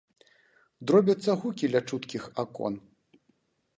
Дробяцца гукі ля чуткіх акон.